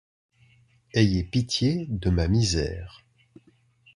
Ayez pitié de ma misère.